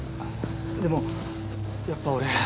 でもやっぱ俺。